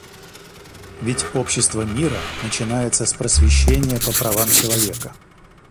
Ведь общество мира начинается с просвещения по правам человека.